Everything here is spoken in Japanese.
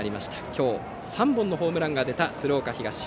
今日３本のホームランが出た鶴岡東。